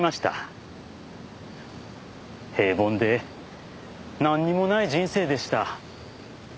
平凡でなんにもない人生でした。